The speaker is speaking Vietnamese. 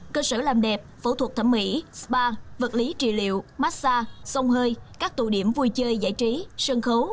cơ sở làm đẹp phẫu thuật thẩm mỹ spa vật lý trị liệu massage sông hơi các tụ điểm vui chơi giải trí sân khấu